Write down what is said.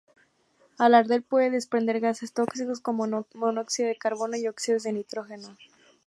Al arder puede desprender gases tóxicos como monóxido de carbono y óxidos de nitrógeno.